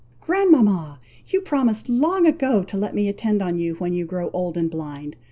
"Grandmama! you promised long ago to let me attend on you when you grow old and blind!